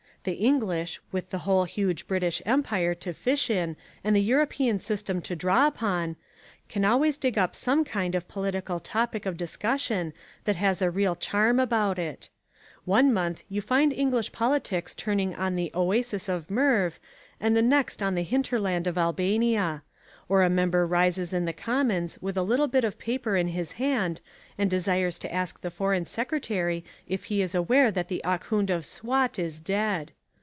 The English, with the whole huge British Empire to fish in and the European system to draw upon, can always dig up some kind of political topic of discussion that has a real charm about it. One month you find English politics turning on the Oasis of Merv and the next on the hinterland of Albania; or a member rises in the Commons with a little bit of paper in his hand and desires to ask the foreign secretary if he is aware that the Ahkoond of Swat is dead.